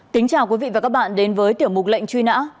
kính chào quý vị và các bạn đến với tiểu mục lệnh truy nã